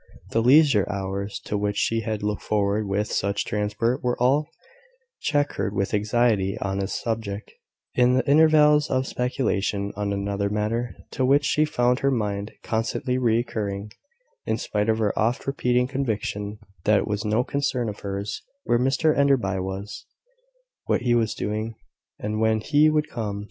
The leisure hours to which she had looked forward with such transport were all chequered with anxiety on this subject, in the intervals of speculation on another matter, to which she found her mind constantly recurring, in spite of her oft repeated conviction that it was no concern of hers, where Mr Enderby was, what he was doing, and when he would come.